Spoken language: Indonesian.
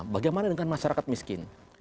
bagaimana dengan masyarakat miskin